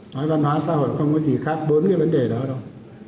nói văn hóa xã hội không có gì khác bốn cái vấn đề đó đâu